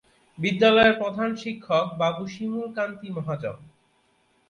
বিদ্যালয়ের প্রধান শিক্ষক বাবু শিমুল কান্তি মহাজন।